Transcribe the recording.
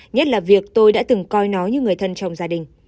nhất là việc tôi đã từng coi nó như người thân trong gia đình